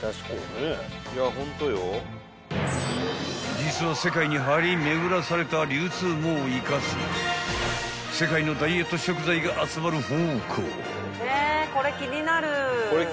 ［実は世界に張り巡らされた流通網を生かし世界のダイエット食材が集まる宝庫］